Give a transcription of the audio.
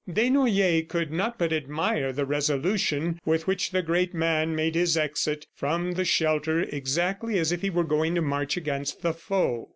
Desnoyers could not but admire the resolution with which the great man made his exit from the shelter, exactly as if he were going to march against the foe.